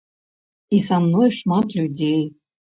І са мной шмат людзей.